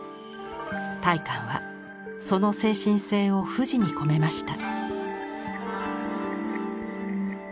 大観はその精神性を富士に込めました。